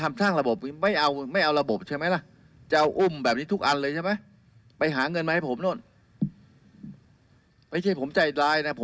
ผมก็เห็นใจรัฐบาลนะว่า